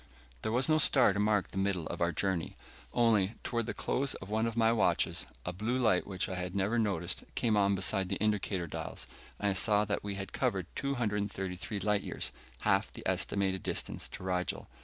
There was no star to mark the middle of our journey. Only, toward the close of one of my watches, a blue light which I had never noticed came on beside the indicator dials, and I saw that we had covered 233 light years, half the estimated distance to Rigel.